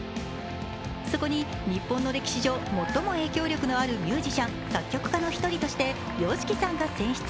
そこに日本の歴史上最も影響力のあるミュージシャン、作曲家の一人として、ＹＯＳＨＩＫＩさんが選出。